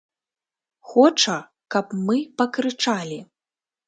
Хоча, каб мы пакрычалі.